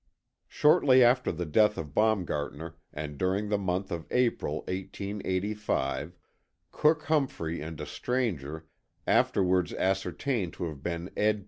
Shortly after the death of Baumgartner, and during the month of April, 1885, Cook Humphrey and a stranger, afterwards ascertained to have been Ed.